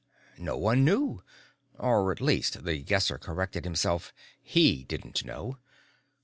No one knew. (Or, at least, The Guesser corrected himself, he didn't know.)